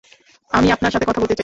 আমি আপনার সাথে কথা বলতে চাই।